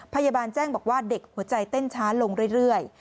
พยาบาลแจ้งบอกว่าเด็กหัวใจเต้นช้าลงเรื่อย